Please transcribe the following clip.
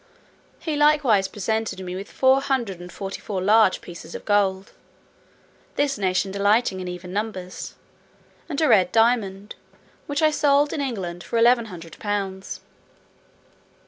He likewise presented me with four hundred and forty four large pieces of gold (this nation delighting in even numbers), and a red diamond, which I sold in England for eleven hundred pounds.